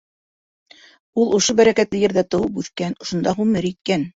Ул ошо бәрәкәтле ерҙә тыуып үҫкән, ошонда ғүмер иткән.